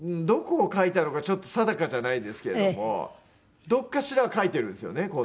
どこを描いたのかちょっと定かじゃないですけれどもどこかしらは描いてるんですよね